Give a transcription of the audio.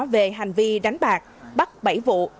về hành vi đánh bạc bắt bảy vụ